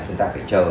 chúng ta phải chờ